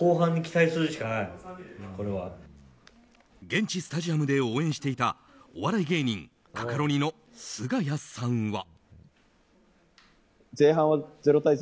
現地スタジアムで応援していたお笑い芸人カカロニのすがやさんは。